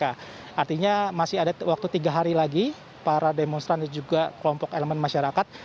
artinya masih ada waktu tiga hari lagi para demonstran dan juga kelompok elemen masyarakat